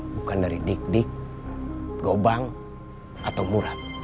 bukan dari dik dik gobang atau murad